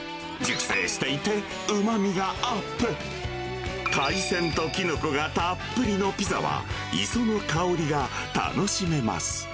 熟成していて、うまみがあって、海鮮とキノコがたっぷりのピザは、磯の香りが楽しめます。